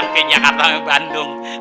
kayaknya kata bandung